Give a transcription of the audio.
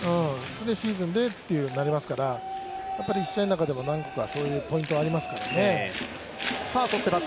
シーズンでってなりますから、１試合の中でも何個か、そういうポイントはありますらかね。